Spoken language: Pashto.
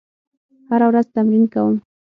هره ورځ تمرین کوم.